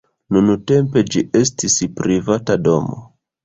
Nuntempe ĝi estas privata domo.